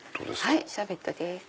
はいシャーベットです。